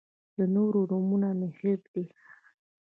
د نورو نومونه مې هېر دي.